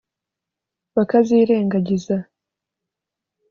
bakazirengagiza